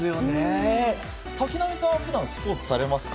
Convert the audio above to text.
瀧波さんは普段スポーツはされますか？